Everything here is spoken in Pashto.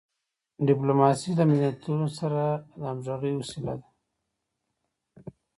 ډیپلوماسي له ملتونو سره د همږغی وسیله ده.